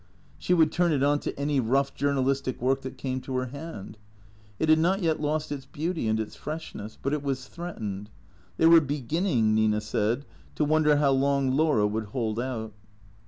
She would turn it on to any rough journalistic work that came to her hand. It had not yet lost its beauty and its freshness. But it was threatened. They were begin ning, Nina said, to wonder how long Laura would hold out.